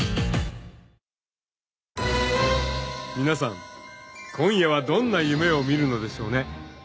［皆さん今夜はどんな夢を見るのでしょうね？］